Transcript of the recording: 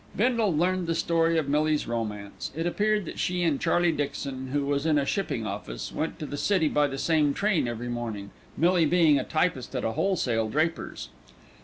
Bindle learned the story of Millie's romance. It appeared that she and Charlie Dixon, who was in a shipping office, went to the city by the same train every morning, Millie being a typist at a wholesale draper's.